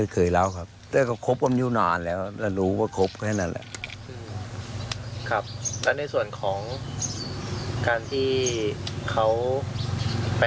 การที่เขาไปทำครั้งนี้